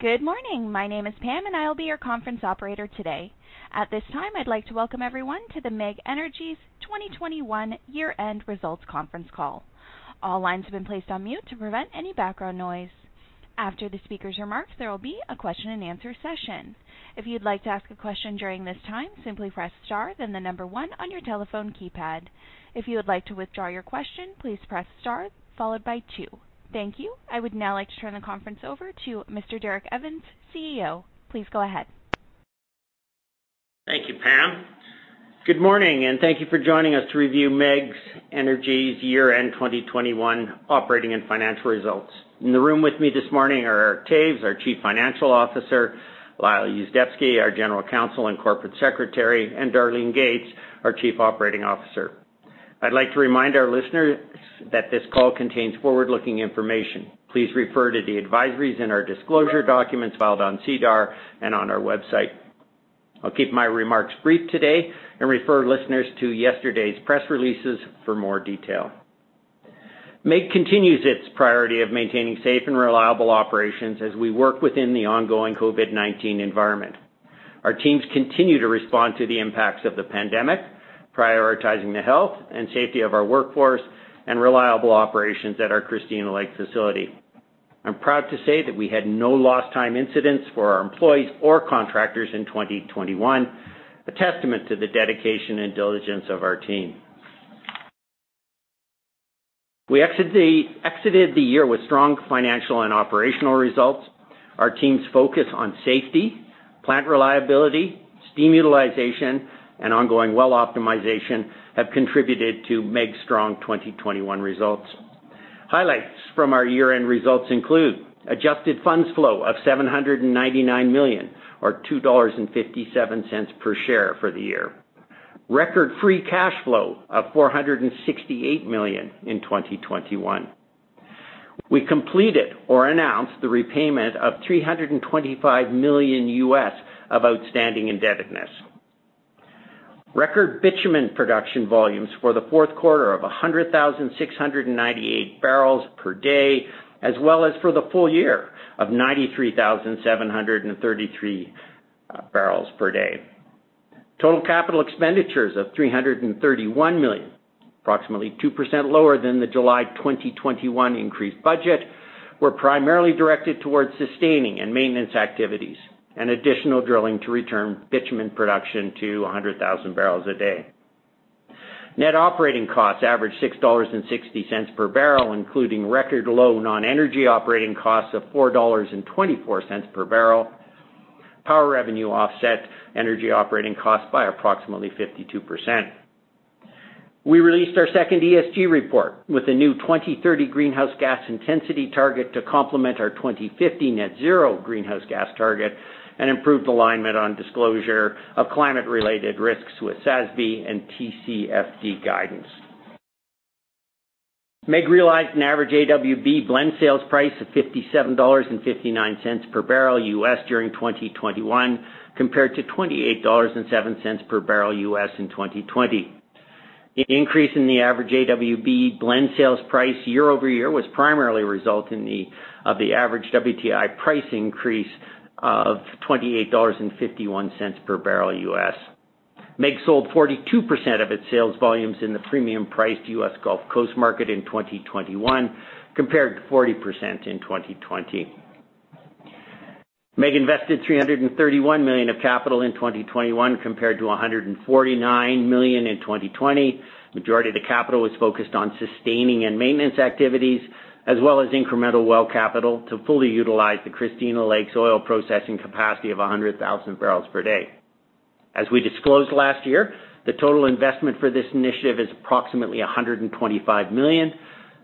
Good morning. My name is Pam and I will be your conference operator today. At this time, I'd like to welcome everyone to the MEG Energy's 2021 year-end results conference call. All lines have been placed on mute to prevent any background noise. After the speaker's remarks, there will be a question and answer session. If you'd like to ask a question during this time, simply press star then the number one on your telephone keypad. If you would like to withdraw your question, please press star followed by two. Thank you. I would now like to turn the conference over to Mr. Derek Evans, CEO. Please go ahead. Thank you Pam. Good morning and thank you for joining us to review MEG Energy's year-end 2021 operating and financial results. In the room with me this morning are Eric Toews, our Chief Financial Officer, Lyle Yuzdepski, our General Counsel and Corporate Secretary, and Darlene Gates, our Chief Operating Officer. I'd like to remind our listeners that this call contains forward-looking information. Please refer to the advisories in our disclosure documents filed on SEDAR and on our website. I'll keep my remarks brief today and refer listeners to yesterday's press releases for more detail. MEG continues its priority of maintaining safe and reliable operations as we work within the ongoing COVID-19 environment. Our teams continue to respond to the impacts of the pandemic, prioritizing the health and safety of our workforce and reliable operations at our Christina Lake facility. I'm proud to say that we had no lost time incidents for our employees or contractors in 2021, a testament to the dedication and diligence of our team. We exited the year with strong financial and operational results. Our team's focus on safety, plant reliability, steam utilization, and ongoing well optimization have contributed to MEG's strong 2021 results. Highlights from our year-end results include adjusted funds flow of 799 million or 2.57 dollars per share for the year. Record free cash flow of 468 million in 2021. We completed or announced the repayment of $325 million of outstanding indebtedness. Record bitumen production volumes for the fourth quarter of 100,698 barrels per day, as well as for the full year of 93,733 barrels per day. Total capital expenditures of 331 million, approximately 2% lower than the July 2021 increased budget, were primarily directed toward sustaining and maintenance activities and additional drilling to return bitumen production to 100,000 barrels a day. Net operating costs averaged 6.60 per barrel, including record low non-energy operating costs of 4.24 dollars per barrel. Power revenue offset energy operating costs by approximately 52%. We released our second ESG report with a new 2030 greenhouse gas intensity target to complement our 2050 net zero greenhouse gas target and improved alignment on disclosure of climate-related risks with SASB and TCFD guidance. MEG realized an average AWB blend sales price of $57.59 per barrel during 2021 compared to $28.07 per barrel in 2020. The increase in the average AWB blend sales price year-over-year was primarily a result of the average WTI price increase of $28.51 per barrel. MEG sold 42% of its sales volumes in the premium-priced U.S. Gulf Coast market in 2021, compared to 40% in 2020. MEG invested 331 million of capital in 2021 compared to 149 million in 2020. Majority of the capital was focused on sustaining and maintenance activities as well as incremental well capital to fully utilize the Christina Lake's oil processing capacity of 100,000 barrels per day. As we disclosed last year, the total investment for this initiative is approximately 125 million,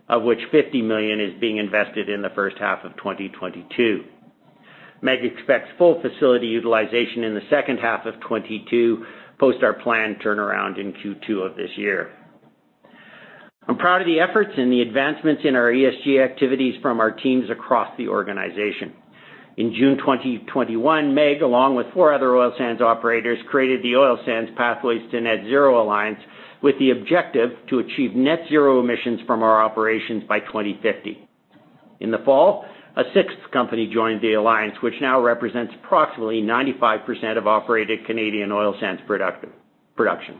of which 50 million is being invested in the first half of 2022. MEG expects full facility utilization in the second half of 2022 post our planned turnaround in Q2 of this year. I'm proud of the efforts and the advancements in our ESG activities from our teams across the organization. In June 2021, MEG, along with four other oil sands operators, created the Oil Sands Pathways to Net Zero Alliance with the objective to achieve net zero emissions from our operations by 2050. In the fall, a sixth company joined the alliance, which now represents approximately 95% of operated Canadian oil sands production.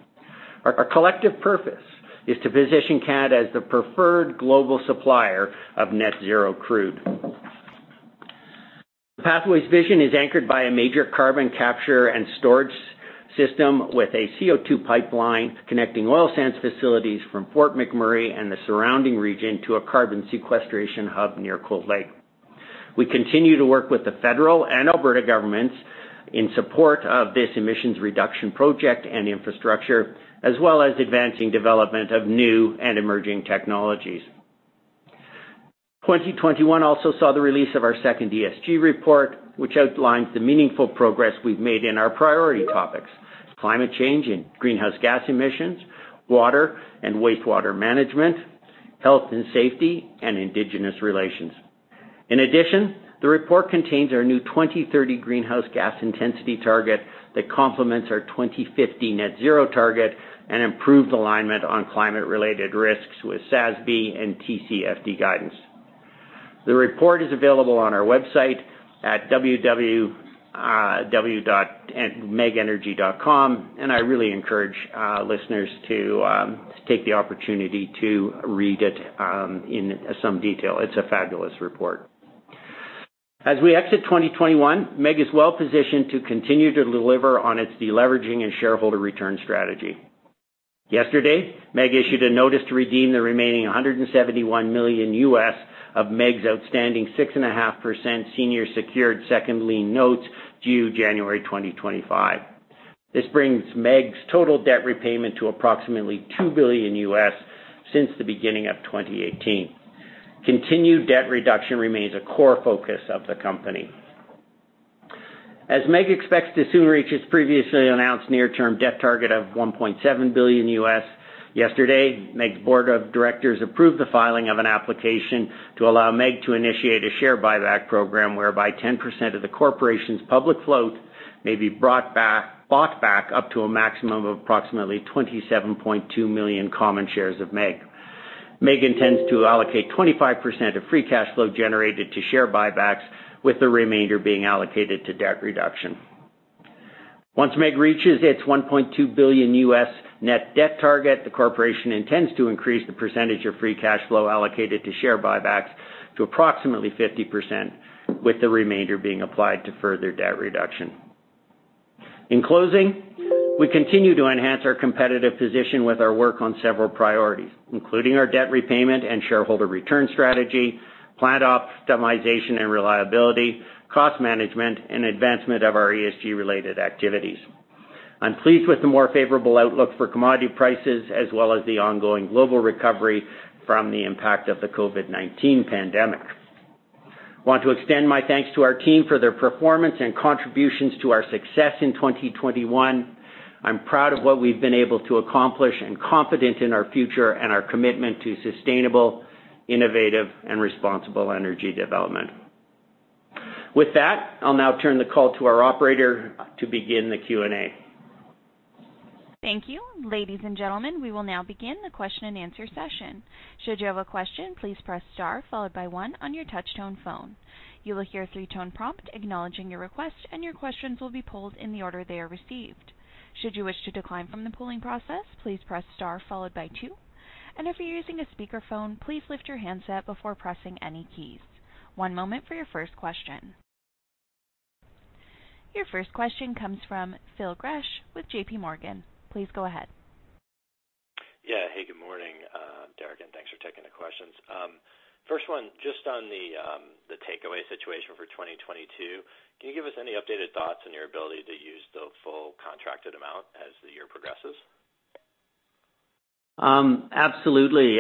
Our collective purpose is to position Canada as the preferred global supplier of net zero crude. The Pathways vision is anchored by a major carbon capture and storage system with a CO2 pipeline connecting oil sands facilities from Fort McMurray and the surrounding region to a carbon sequestration hub near Cold Lake. We continue to work with the federal and Alberta governments in support of this emissions reduction project and infrastructure, as well as advancing development of new and emerging technologies. 2021 also saw the release of our second ESG report, which outlines the meaningful progress we've made in our priority topics, climate change and greenhouse gas emissions, water and wastewater management, health and safety, and indigenous relations. In addition, the report contains our new 2030 greenhouse gas intensity target that complements our 2050 net zero target and improved alignment on climate-related risks with SASB and TCFD guidance. The report is available on our website at www.megenergy.com, and I really encourage listeners to take the opportunity to read it in some detail. It's a fabulous report. As we exit 2021, MEG is well-positioned to continue to deliver on its deleveraging and shareholder return strategy. Yesterday, MEG issued a notice to redeem the remaining $171 million of MEG's outstanding 6.5% senior secured second lien notes due January 2025. This brings MEG's total debt repayment to approximately $2 billion since the beginning of 2018. Continued debt reduction remains a core focus of the company. As MEG expects to soon reach its previously announced near-term debt target of $1.7 billion, yesterday, MEG's board of directors approved the filing of an application to allow MEG to initiate a share buyback program whereby 10% of the corporation's public float may be bought back up to a maximum of approximately 27.2 million common shares of MEG. MEG intends to allocate 25% of free cash flow generated to share buybacks, with the remainder being allocated to debt reduction. Once MEG reaches its $1.2 billion net debt target, the corporation intends to increase the percentage of free cash flow allocated to share buybacks to approximately 50%, with the remainder being applied to further debt reduction. In closing, we continue to enhance our competitive position with our work on several priorities, including our debt repayment and shareholder return strategy, plant optimization and reliability, cost management, and advancement of our ESG-related activities. I'm pleased with the more favorable outlook for commodity prices as well as the ongoing global recovery from the impact of the COVID-19 pandemic. I want to extend my thanks to our team for their performance and contributions to our success in 2021. I'm proud of what we've been able to accomplish and confident in our future and our commitment to sustainable, innovative, and responsible energy development. With that, I'll now turn the call to our operator to begin the Q&A. Thank you. Ladies and gentlemen, we will now begin the question-and-answer session. Should you have a question, please press star followed by one on your touch-tone phone. You will hear a three-tone prompt acknowledging your request, and your questions will be pooled in the order they are received. Should you wish to decline from the pooling process, please press star followed by two. If you're using a speakerphone, please lift your handset before pressing any keys. One moment for your first question. Your first question comes from Phil Gresh with JP Morgan. Please go ahead. Yeah. Hey, good morning Derek, and thanks for taking the questions. First one, just on the takeaway situation for 2022, can you give us any updated thoughts on your ability to use the full contracted amount as the year progresses? Absolutely.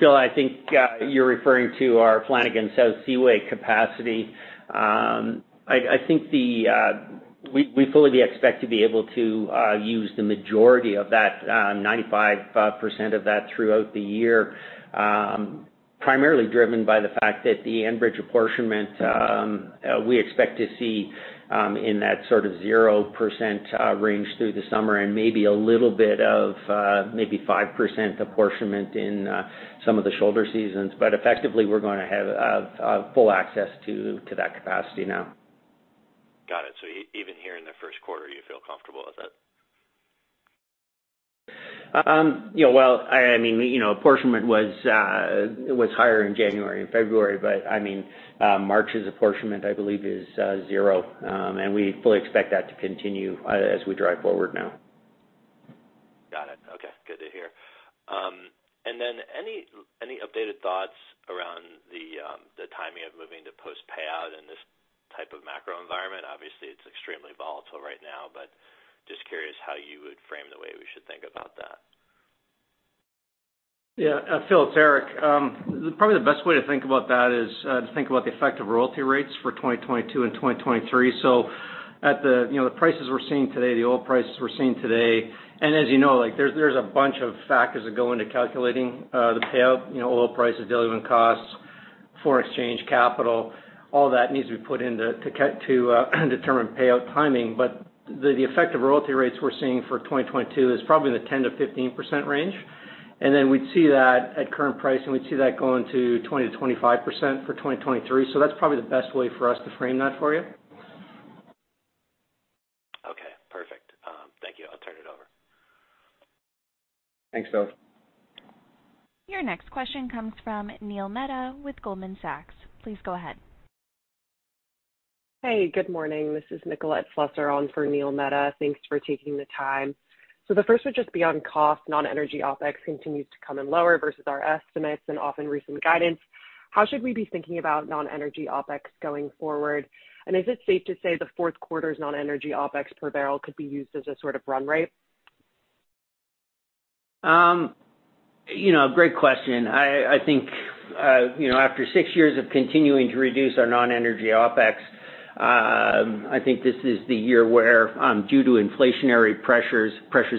Phil, I think you're referring to our Flanagan South Seaway capacity. I think we fully expect to be able to use the majority of that, 95% of that throughout the year, primarily driven by the fact that the Enbridge apportionment we expect to see in that sort of 0% range through the summer and maybe a little bit of maybe 5% apportionment in some of the shoulder seasons. Effectively, we're gonna have full access to that capacity now. Got it. Even here in the first quarter, you feel comfortable with it? You know, well, I mean, you know, apportionment was higher in January and February, but I mean, March's apportionment, I believe, is zero. We fully expect that to continue as we drive forward now. Got it. Okay. Good to hear. Any updated thoughts around the timing of moving to post-payout in this type of macro environment? Obviously, it's extremely volatile right now, but just curious how you would frame the way we should think about that. Yeah Phil, it's Eric. Probably the best way to think about that is to think about the effect of royalty rates for 2022 and 2023. At the, you know, the prices we're seeing today, the oil prices we're seeing today, and as you know, like, there's a bunch of factors that go into calculating the payout. You know, oil prices, delivery costs, foreign exchange capital, all that needs to be put in to determine payout timing. The effect of royalty rates we're seeing for 2022 is probably in the 10%-15% range. Then we'd see that at current pricing, we'd see that going to 20%-25% for 2023. That's probably the best way for us to frame that for you. Okay. Perfect. Thank you. I'll turn it over. Thanks Phil. Your next question comes from Neil Mehta with Goldman Sachs. Please go ahead. Hey good morning. This is Nicolette Slusser on for Neil Mehta. Thanks for taking the time. The first would just be on cost. Non-energy OpEx continues to come in lower versus our estimates and often recent guidance. How should we be thinking about non-energy OpEx going forward? And is it safe to say the fourth quarter's non-energy OpEx per barrel could be used as a sort of run rate? You know, great question. I think, you know, after 6 years of continuing to reduce our non-energy OpEx, I think this is the year where, due to inflationary pressures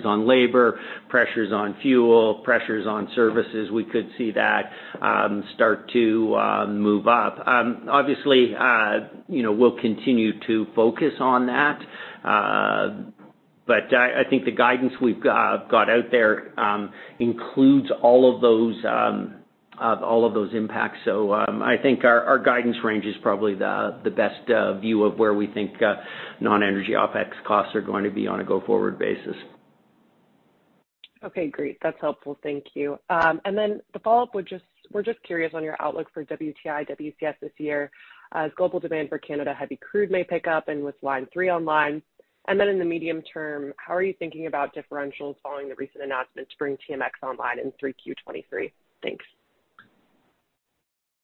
on labor, pressures on fuel, pressures on services, we could see that start to move up. Obviously, you know, we'll continue to focus on that. I think the guidance we've got out there includes all of those impacts. I think our guidance range is probably the best view of where we think non-energy OpEx costs are going to be on a go-forward basis. Okay, great. That's helpful. Thank you. The follow-up, we're just curious on your outlook for WTI, WCS this year, as global demand for Canadian heavy crude may pick up and with Line 3 online. In the medium term, how are you thinking about differentials following the recent announcement to bring TMX online in Q3 2023? Thanks.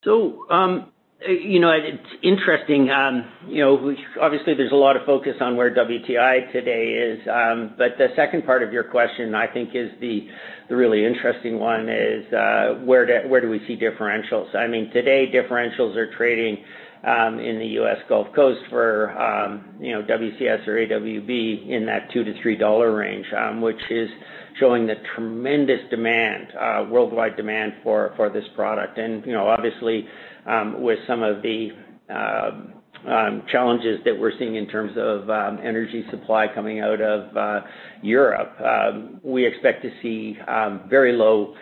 You know, it's interesting. Obviously, there's a lot of focus on where WTI today is. The second part of your question, I think is the really interesting one, is where do we see differentials? I mean, today, differentials are trading in the U.S. Gulf Coast for WCS or/AWB in that $2-$3 range, which is showing the tremendous demand worldwide demand for this product. Obviously, with some of the challenges that we're seeing in terms of energy supply coming out of Europe, we expect to see very low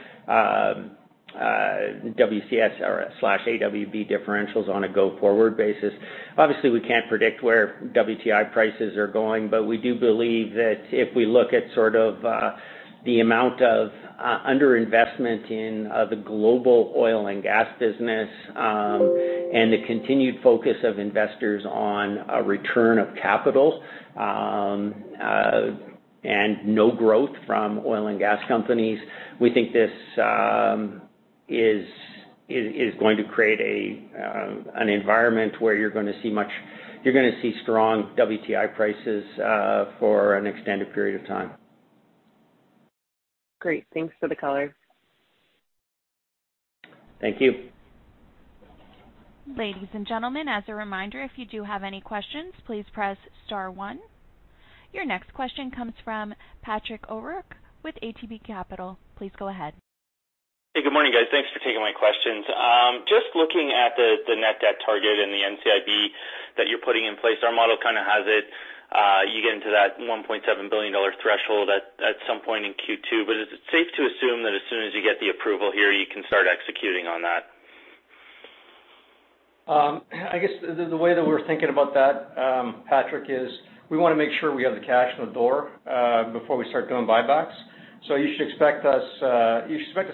WCS or/AWB differentials on a go-forward basis. Obviously, we can't predict where WTI prices are going, but we do believe that if we look at sort of the amount of under investment in the global oil and gas business, and the continued focus of investors on a return of capital, and no growth from oil and gas companies, we think this is going to create an environment where you're gonna see strong WTI prices for an extended period of time. Great. Thanks for the color. Thank you. Ladies and gentlemen as a reminder, if you do have any questions, please press star one. Your next question comes from Patrick O'Rourke with ATB Capital. Please go ahead. Hey, good morning guys. Thanks for taking my questions. Just looking at the net debt target and the NCIB that you're putting in place, our model kinda has it, you get into that 1.7 billion dollar threshold at some point in Q2, but is it safe to assume that as soon as you get the approval here, you can start executing on that? I guess the way that we're thinking about that, Patrick, is we wanna make sure we have the cash in the door before we start doing buybacks. You should expect to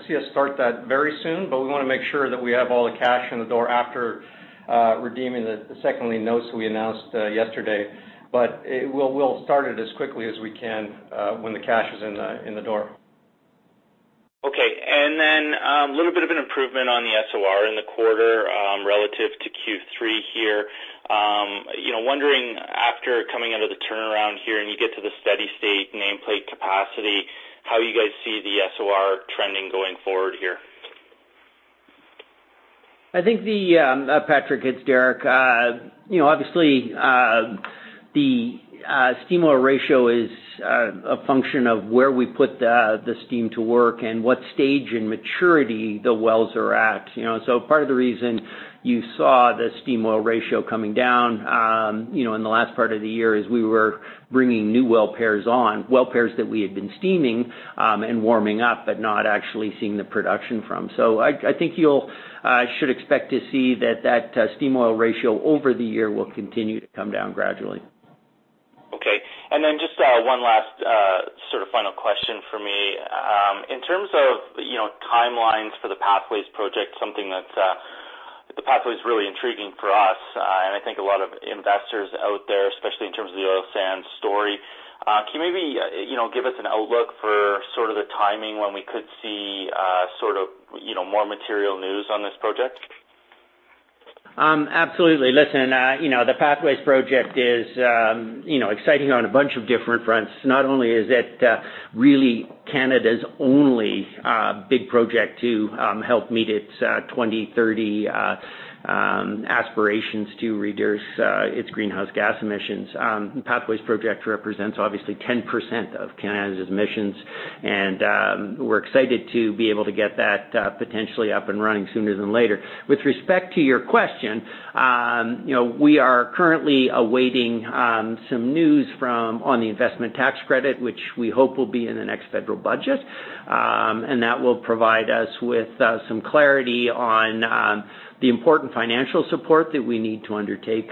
see us start that very soon, but we wanna make sure that we have all the cash in the door after redeeming the second lien notes we announced yesterday. We'll start it as quickly as we can when the cash is in the door. Okay. A little bit of an improvement on the SOR in the quarter, relative to Q3 here. You know, wondering after coming out of the turnaround here and you get to the steady state nameplate capacity, how you guys see the SOR trending going forward here? I think, Patrick it's Derek. You know, obviously, the steam-oil ratio is a function of where we put the steam to work and what stage in maturity the wells are at. You know, part of the reason you saw the steam-oil ratio coming down, you know, in the last part of the year is we were bringing new well pairs on, well pairs that we had been steaming and warming up, but not actually seeing the production from. I think you should expect to see that steam-oil ratio over the year will continue to come down gradually. Okay. Then just one last sort of final question for me. In terms of, you know, timelines for the Pathways project, something that's the Pathways is really intriguing for us, and I think a lot of investors out there, especially in terms of the oil sands story. Can you maybe, you know, give us an outlook for sort of the timing when we could see sort of, you know, more material news on this project? Absolutely. Listen, you know, the Pathways project is, you know, exciting on a bunch of different fronts. Not only is it really Canada's only big project to help meet its 2030 aspirations to reduce its greenhouse gas emissions. Pathways project represents obviously 10% of Canada's emissions, and we're excited to be able to get that potentially up and running sooner than later. With respect to your question, you know, we are currently awaiting some news on the investment tax credit, which we hope will be in the next federal budget. That will provide us with some clarity on the important financial support that we need to undertake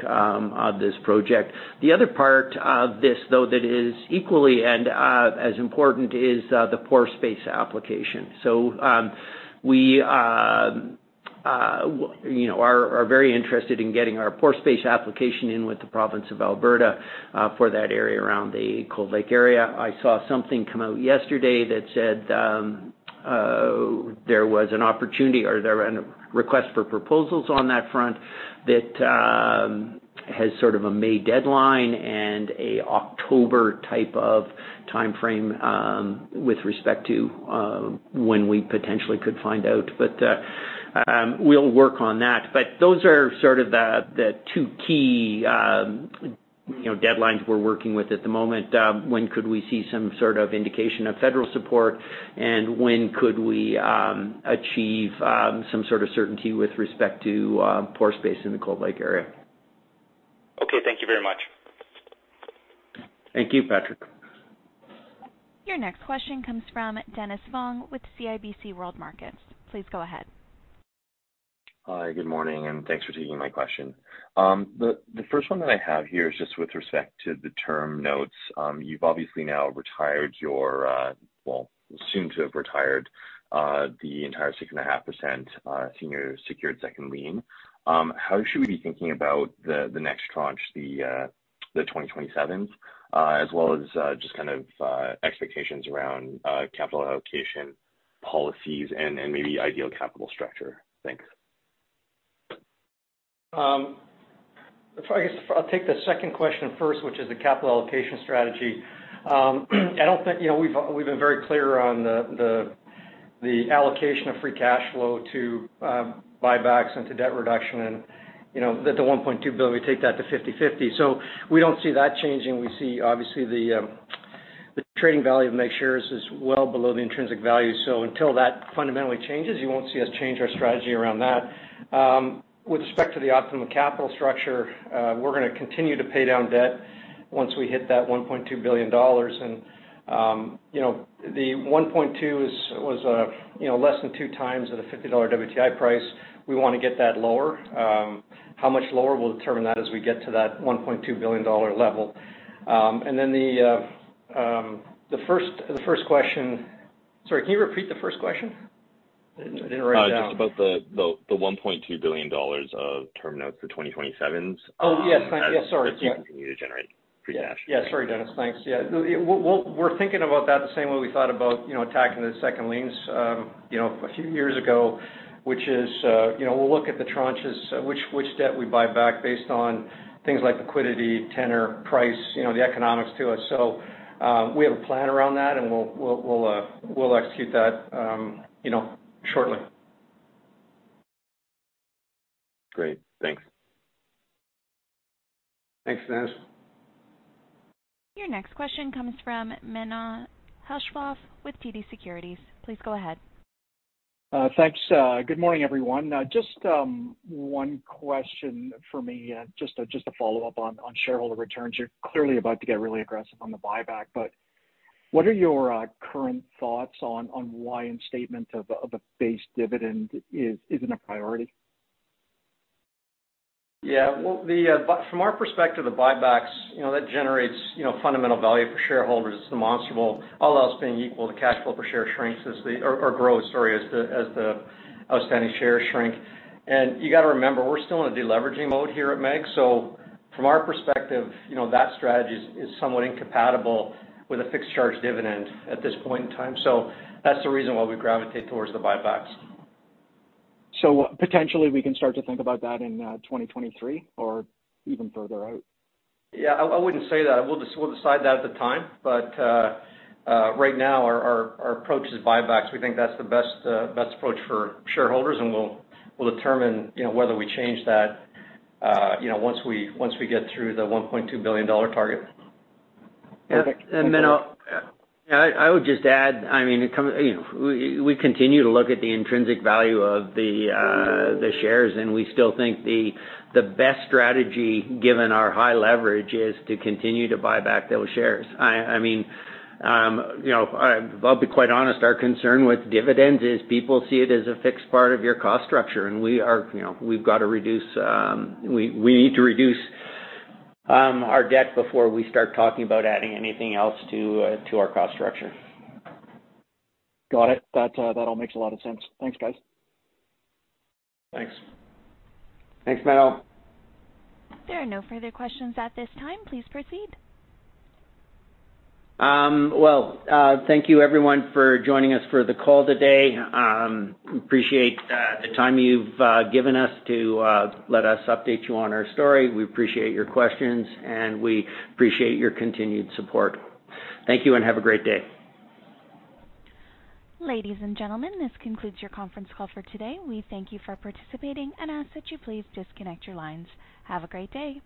this project. The other part of this, though, that is equally and as important is the pore space application. We, you know, are very interested in getting our pore space application in with the province of Alberta for that area around the Cold Lake area. I saw something come out yesterday that said there was an opportunity or there were request for proposals on that front that has sort of a May deadline and an October type of timeframe with respect to when we potentially could find out. We'll work on that. Those are sort of the two key, you know, deadlines we're working with at the moment. When could we see some sort of indication of federal support, and when could we achieve some sort of certainty with respect to pore space in the Cold Lake area? Okay, thank you very much. Thank you Patrick. Your next question comes from Dennis Fong with CIBC World Markets. Please go ahead. Hi, good morning and thanks for taking my question. The first one that I have here is just with respect to the term notes. You've obviously now soon to have retired the entire 6.5% senior secured second lien. How should we be thinking about the next tranche, the 2027s, as well as just kind of expectations around capital allocation policies and maybe ideal capital structure? Thanks. If I guess I'll take the second question first, which is the capital allocation strategy. I don't think you know, we've been very clear on the allocation of free cash flow to buybacks and to debt reduction and, you know, the 1.2 billion, we take that to 50/50. We don't see that changing. We see obviously the trading value of MEG shares is well below the intrinsic value. Until that fundamentally changes, you won't see us change our strategy around that. With respect to the optimum capital structure, we're gonna continue to pay down debt once we hit that 1.2 billion dollars. You know, the 1.2 was less than 2x at a $50 WTI price. We wanna get that lower. How much lower? We'll determine that as we get to that 1.2 billion dollar level. Sorry, can you repeat the first question? I didn't write it down. Just about the 1.2 billion dollars of term notes for 2027s. Oh, yes. Yeah, sorry. As you continue to generate free cash. Yeah, sorry, Dennis. Thanks. Yeah. We're thinking about that the same way we thought about, you know, attacking the second liens, you know, a few years ago, which is, you know, we'll look at the tranches, which debt we buy back based on things like liquidity, tenor, price, you know, the economics to it. We have a plan around that, and we'll execute that, you know, shortly. Great. Thanks. Thanks Dennis. Your next question comes from Menno Hulshof with TD Securities. Please go ahead. Thanks. Good morning everyone. Just one question for me. Just a follow-up on shareholder returns. You're clearly about to get really aggressive on the buyback, but what are your current thoughts on why a statement of a base dividend isn't a priority? Well, from our perspective, the buybacks, you know, that generates, you know, fundamental value for shareholders. It's demonstrable. All else being equal, the cash flow per share grows as the outstanding shares shrink. You gotta remember, we're still in a deleveraging mode here at MEG. From our perspective, you know, that strategy is somewhat incompatible with a fixed charge dividend at this point in time. That's the reason why we gravitate towards the buybacks. Potentially we can start to think about that in 2023 or even further out? Yeah, I wouldn't say that. We'll decide that at the time. Right now our approach is buybacks. We think that's the best approach for shareholders, and we'll determine, you know, whether we change that, you know, once we get through the 1.2 billion dollar target. Okay. Menno, I would just add, I mean, you know. We continue to look at the intrinsic value of the shares, and we still think the best strategy, given our high leverage, is to continue to buy back those shares. I mean, you know, I'll be quite honest, our concern with dividends is people see it as a fixed part of your cost structure, and we are, you know, we've got to reduce, we need to reduce our debt before we start talking about adding anything else to our cost structure. Got it. That all makes a lot of sense. Thanks, guys. Thanks. Thanks Menno. There are no further questions at this time. Please proceed. Well, thank you everyone for joining us for the call today. We appreciate the time you've given us to let us update you on our story. We appreciate your questions, and we appreciate your continued support. Thank you and have a great day. Ladies and gentlemen, this concludes your conference call for today. We thank you for participating and ask that you please disconnect your lines. Have a great day.